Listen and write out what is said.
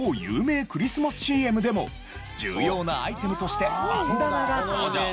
ＣＭでも重要なアイテムとしてバンダナが登場。